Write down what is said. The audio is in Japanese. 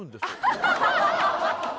ハハハハ！